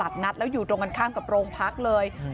ตอนนี้ก็ไม่มีอัศวินทรีย์ที่สุดขึ้นแต่ก็ไม่มีอัศวินทรีย์ที่สุดขึ้น